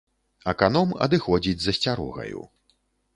Аканом адыходзіць з асцярогаю.